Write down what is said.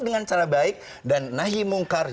dengan cara baik dan nahi mungkar